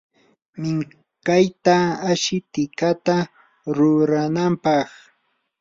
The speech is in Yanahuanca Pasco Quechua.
minkayta ashi tikata ruranampaq.